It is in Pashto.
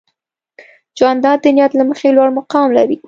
جانداد د نیت له مخې لوړ مقام لري.